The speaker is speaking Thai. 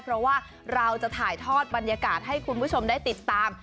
เพราะว่าเราจะถ่ายทอดบรรยากาศให้คุณผู้ชมได้ติดตาม